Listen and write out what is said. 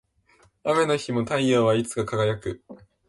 雨の日も太陽はいつか輝く